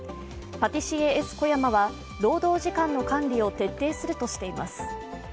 パティシエエスコヤマは、労働時間の管理を徹底するとしています。